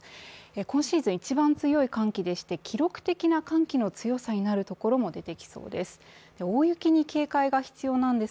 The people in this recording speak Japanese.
今シーズン一番強い寒気でして、記録的な寒気の強さになる可能性があります。